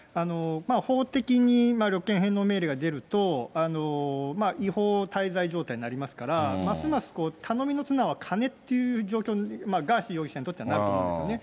法的に旅券返納命令が出ると、違法滞在状態になりますから、ますます頼みの綱は金っていう状況に、ガーシー容疑者にとってはなると思うんですよね。